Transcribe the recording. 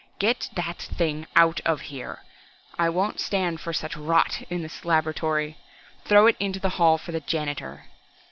"Get that thing out of here! I won't stand for such rot in this laboratory. Throw it into the hall for the janitor!"